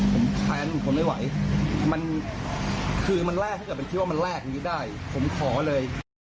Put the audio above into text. ผมแฟนผมทนไม่ไหวมันคือมันแลกถ้าเกิดไปคิดว่ามันแลกอย่างนี้ได้ผมขอเลย